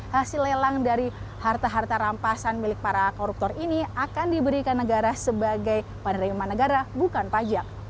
hasil lelang dari harta harta rampasan milik para koruptor ini akan diberikan negara sebagai penerimaan negara bukan pajak